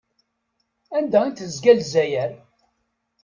Anda i d-tezga Lezzayer?